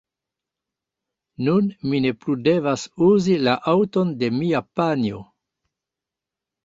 Nun mi ne plu devas uzi la aŭton de mia panjo.